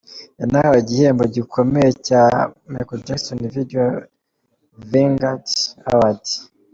Yanahawe igihembo gikomeye cya Michael Jackson Video Vanguard Award.